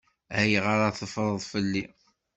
Ayɣeṛ ad teffreḍ fell-i?